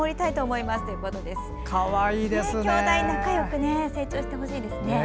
きょうだい仲よく成長してほしいですね。